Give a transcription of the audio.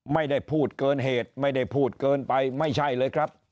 ไม่ได้พูดเกินเหตุไม่ได้พูดเกินไปไม่ใช่เลยครับ